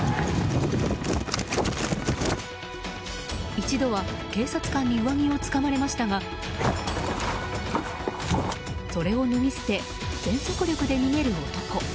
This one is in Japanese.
一度は警察官に上着をつかまれましたがそれを脱ぎ捨て全速力で逃げる男。